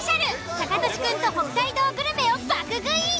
タカトシくんと北海道グルメを爆食い！